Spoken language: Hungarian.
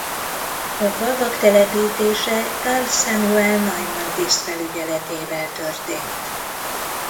A falvak telepítése Carl Samuel Neumann tiszt felügyeletével történt.